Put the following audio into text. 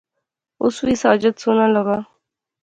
اس وی ساجد سوہنا لاغا